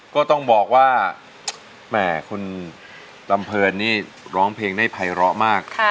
ก็ต้องบอกว่าแหมคุณลำเพลินนี่ร้องเพลงได้ภัยร้อมาก